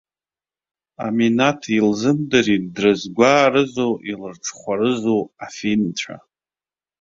Аминаҭ илзымдырит, дрызгәаарызу, илырҽхәарызу афинцәа.